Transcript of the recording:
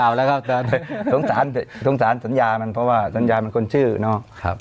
วงสาญสัญญามันเพราะว่าทะเก่ามันคนชื่อเนาะ